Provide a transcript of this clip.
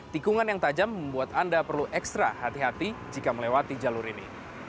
tikungan yang tajam membuat anda perlu ekstra hati hati jika melewati jalur ini